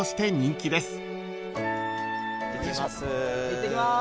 いってきます。